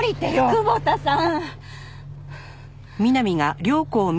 久保田さん。